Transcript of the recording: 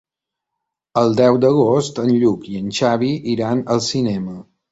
El deu d'agost en Lluc i en Xavi iran al cinema.